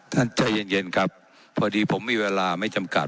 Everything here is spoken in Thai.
ใจเย็นครับพอดีผมมีเวลาไม่จำกัด